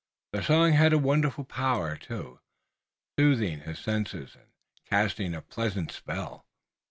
The song had wonderful power, too, soothing his senses and casting a pleasing spell.